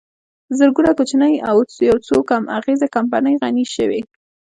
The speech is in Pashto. زرګونه کوچنۍ او یوڅو کم اغېزه کمپنۍ غني شوې